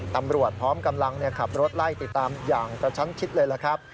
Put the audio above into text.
ตำรวจพร้อมกำลังขับรถไล่ติดตามอย่างกระชั้นชิดเลยล่ะครับ